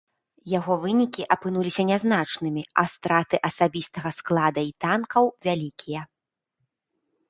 Яго вынікі апынуліся нязначнымі, а страты асабістага склада і танкаў вялікія.